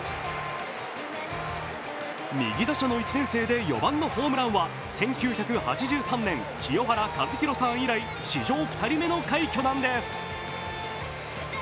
右打者の１年生で４番のホームランは１９８３年、清原和博以来史上２人目の快挙なんです。